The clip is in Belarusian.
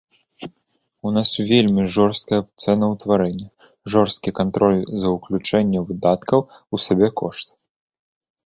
У нас вельмі жорсткае цэнаўтварэнне, жорсткі кантроль за ўключэнне выдаткаў у сабекошт.